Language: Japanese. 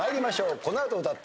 このあと歌って。